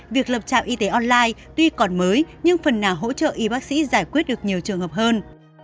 việc lập trạm y tế online tuy còn mới nhưng phần nào hỗ trợ y bác sĩ giải quyết được nhiều trường hợp hơn